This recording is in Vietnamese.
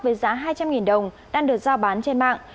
với giá hai trăm linh đồng đang được giao bán trên mạng